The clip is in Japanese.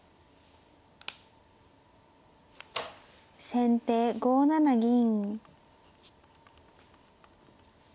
先手５七銀。